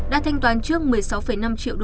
đã thanh toán trước một mươi sáu năm triệu usd